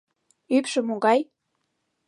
Ӱпшӧ могай?